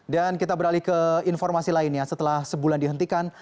dan kita beralih ke informasi lainnya setelah sebulan dihentikan